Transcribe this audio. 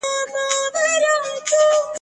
او تاسي ته دا احساس درکړي